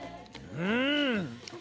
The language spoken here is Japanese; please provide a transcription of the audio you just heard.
うん！